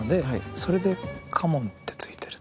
それでカモンってついてる。